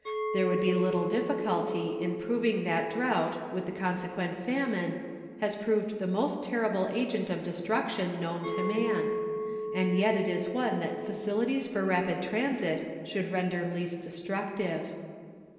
There would be little difficulty in proving that drought, with the consequent famine, has proved the most terrible agent of destruction known to man; and yet it is one that facilities for rapid transit should render least destructive.